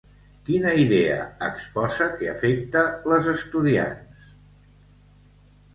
Quina idea exposa que afecta les estudiants?